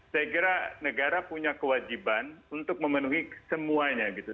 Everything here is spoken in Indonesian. saya kira negara punya kewajiban untuk memenuhi semuanya gitu